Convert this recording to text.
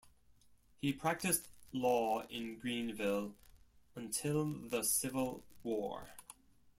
He practiced law in Greenville until the Civil War.